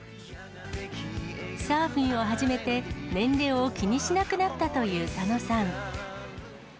サーフィンを始めて、年齢を気にしなくなったという佐野さん。